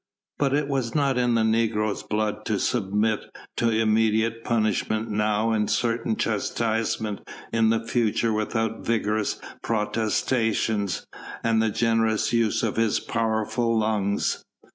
But it was not in the negro's blood to submit to immediate punishment now and certain chastisement in the future without vigorous protestations and the generous use of his powerful lungs.